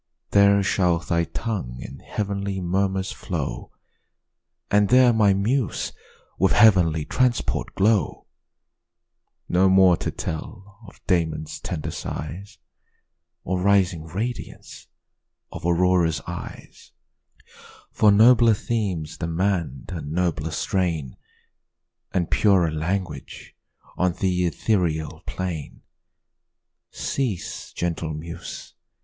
There shall thy tongue in heav'nly murmurs flow, And there my muse with heav'nly transport glow: No more to tell of Damon's tender sighs, Or rising radiance of Aurora's eyes, For nobler themes demand a nobler strain, And purer language on th' ethereal plain. Cease, gentle muse!